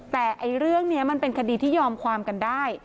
แต่เรื่องนี้มันเป็นคดีที่ยอมความกันได้